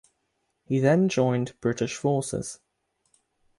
He then joined British forces.